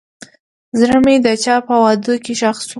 زړه مې د چا په وعدو کې ښخ شو.